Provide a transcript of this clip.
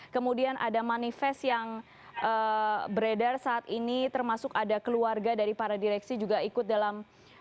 kemudian ada manifest yang beredar saat ini termasuk ada keluarga dari para direksi juga ikut dalam